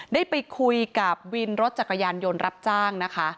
ได้ไปคุยกับวินรถจักรยานยนต์รับจ้างนะคะ